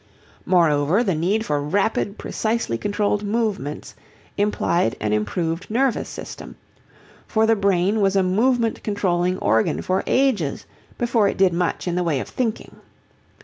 Moreover, the need for rapid precisely controlled movements implied an improved nervous system, for the brain was a movement controlling organ for ages before it did much in the way of thinking.